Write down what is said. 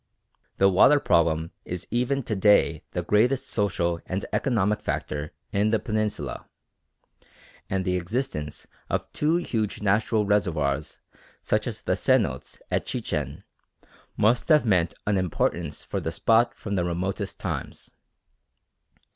The water problem is even to day the greatest social and economic factor in the Peninsula; and the existence of two huge natural reservoirs such as the cenotes at Chichen must have meant an importance for the spot from the remotest times.